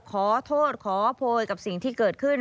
ขอโทษขอโพยกับสิ่งที่เกิดขึ้น